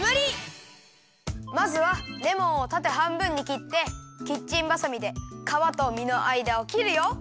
まずはレモンをたてはんぶんにきってキッチンばさみでかわとみのあいだをきるよ。